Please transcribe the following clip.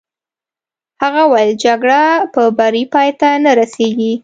هغه وویل: جګړه په بري پای ته نه رسېږي.